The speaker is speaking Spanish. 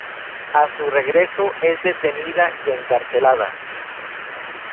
A su regreso es detenida y encarcelada.